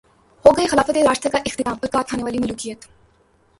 ہوگئے خلافت راشدہ کا اختتام اور کاٹ کھانے والی ملوکیت